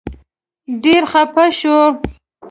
ډېر خپه شو.